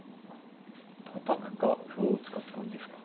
たたくか歩を打つかって感じですか。